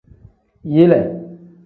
Yile.